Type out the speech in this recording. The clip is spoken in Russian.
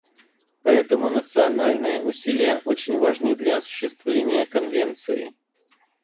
Поэтому национальные усилия очень важны для осуществления Конвенции.